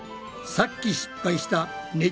さっき失敗したね